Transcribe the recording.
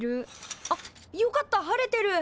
あっよかった晴れてる！